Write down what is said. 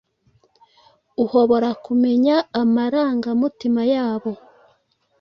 uhobora kumenya amarangamutima yabo